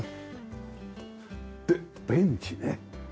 ベンチね。